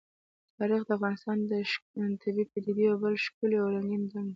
تاریخ د افغانستان د طبیعي پدیدو یو بل ډېر ښکلی او رنګین رنګ دی.